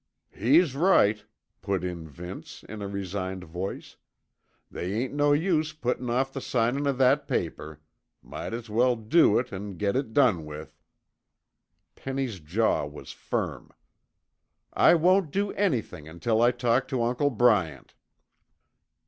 "He's right," put in Vince, in a resigned voice. "They ain't no use puttin' off the signin' o' that paper. Might as well do it an' git it done with." Penny's jaw was firm. "I won't do anything until I talk to Uncle Bryant."